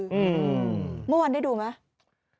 เมื่อวานได้ดูไหม